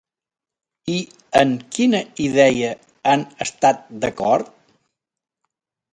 I en quina idea han estat d'acord?